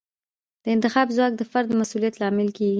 د انتخاب ځواک د فرد د مسوولیت لامل کیږي.